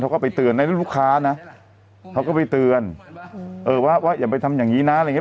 แล้วลูกค้านะเขาก็ไปเตือนเออว่าอย่าไปทำอย่างงี้นะอะไรอย่างเงี้ย